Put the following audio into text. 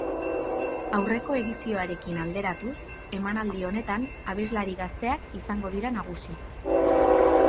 Aurreko edizioarekin alderatuz, emanaldi honetan abeslari gazteak izango dira nagusi.